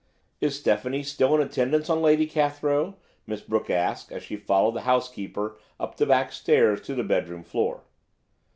"Is Stephanie still in attendance on Lady Cathrow?" Miss Brooke asked as she followed the housekeeper up the back stairs to the bedroom floor.